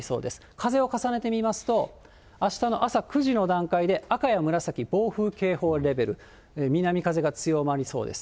風を重ねてみますと、あしたの朝９時の段階で、赤や紫、暴風警報レベル、南風が強まりそうです。